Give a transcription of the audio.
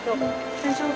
大丈夫？